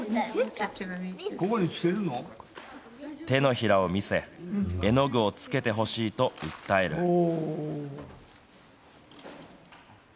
手のひらを見せ、絵の具をつけてほしいと訴える。